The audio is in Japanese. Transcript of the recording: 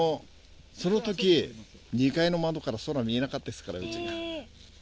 そのとき、２階の窓から空見えなかったですから、うち。